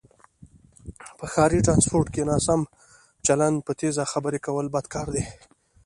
په ښاری ټرانسپورټ کې ناسم چلند، په تیزه خبرې کول بد کاردی